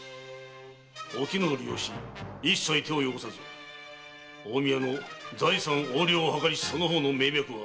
お絹を利用し一切手を汚さず近江屋の財産横領を計りしその方の命脈は今日で終わりだ。